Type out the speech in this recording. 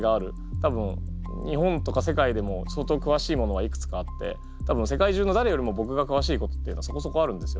多分日本とか世界でも相当くわしいものはいくつかあって多分世界中のだれよりもぼくがくわしいことっていうのはそこそこあるんですよ。